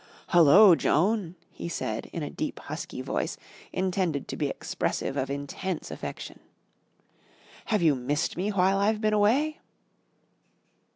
"Hullo, Joan," he said in a deep, husky voice intended to be expressive of intense affection. "Have you missed me while I've been away?"